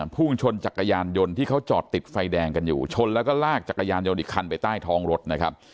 พุ่งชนจักรยานยนต์ที่เขาจอดติดไฟแดงกันอยู่ชนแล้วก็ลากจักรยานยนต์อีกคันไปใต้ท้องรถนะครับ